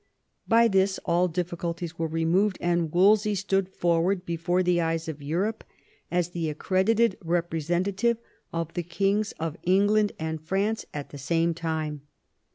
By this all difficulties were removed, and Wolsey stood forward before the eyes of Europe as the accredited representative of the kings of England and France at the same time.